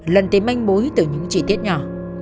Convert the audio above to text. lần tới manh bối từ những chi tiết nhỏ